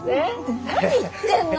何言ってんの？